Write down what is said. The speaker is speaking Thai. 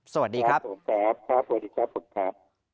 สวัสดีครับผมครับครับสวัสดีครับคุณครับ